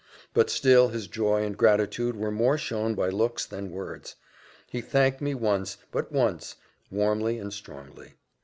But still his joy and gratitude were more shown by looks than words. He thanked me once, and but once, warmly and strongly.